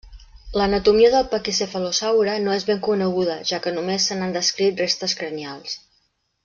L'anatomia del paquicefalosaure no és ben coneguda, ja que només se n'han descrit restes cranials.